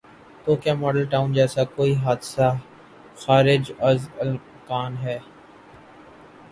تو کیا Model Town جیسا کوئی حادثہ خارج از امکان ہے؟